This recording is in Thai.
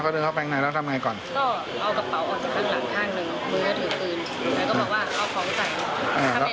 เดินปั๊บทีนี้เฉยนะ